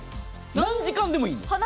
何時間でもいいんです。